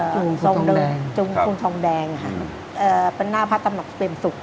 จูงทรงแดงจูงทรงแดงอืมเอ่อเป็นหน้าพระทำหนกเตรียมสุข